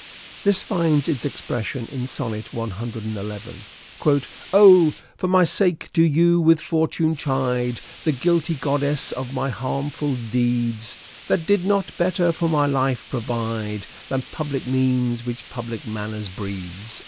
This finds its expression in Sonnet in, 1 ' O ! for my sake do you with fortune chide, The guilty goddess of my harmful deeds, That did not better for my life provide Than public means uhich public manners breeds."